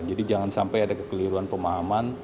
jangan sampai ada kekeliruan pemahaman